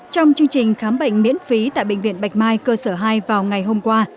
trong chương trình khám bệnh miễn phí tại bệnh viện bạch mai cơ sở hai vào ngày hôm qua